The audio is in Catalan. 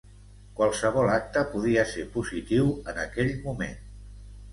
Qualsevol acte podia ser positiu en aquell moment.